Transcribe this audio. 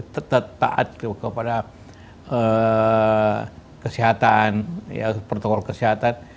tetap taat kepada kesehatan protokol kesehatan